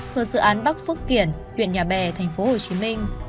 thuộc sự án bắc phước kiển huyện nhà bè tp hcm